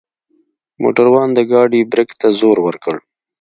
موټروان د ګاډۍ برک ته زور وکړ.